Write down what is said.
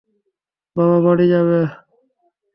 বাবা, বাড়ি যাবে?